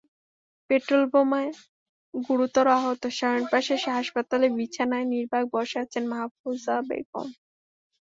পেট্রলবোমায় গুরুতর আহত স্বামীর পাশে হাসপাতালের বিছানায় নির্বাক বসে আছেন মাহফুজা বেগম।